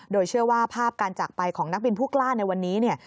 โดยเชื่อว่าภาพการจากไปของนักบินผู้กล้าในวันนี้เนี่ย